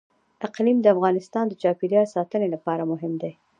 اقلیم د افغانستان د چاپیریال ساتنې لپاره مهم دي.